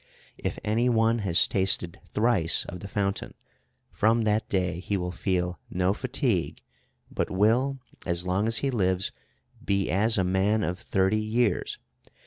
If any one has tasted thrice of the fountain, from that day he will feel no fatigue, but will, as long as he lives, be as a man of thirty years.